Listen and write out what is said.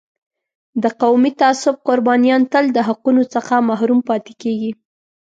د قومي تعصب قربانیان تل د حقونو څخه محروم پاتې کېږي.